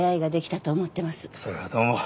それはどうも。